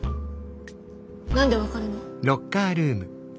何で分かるの？